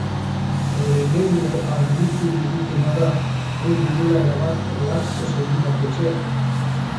Lehenengo argitu digutena da ez direla erabat lastoz egindako etxeak.